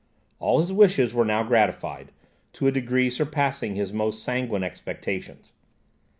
All his wishes were now gratified, to a degree surpassing his most sanguine expectations.